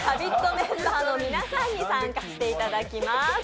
メンバーの皆さんに参加していただきます。